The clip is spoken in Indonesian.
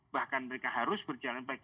bahkan mereka harus berjalan baik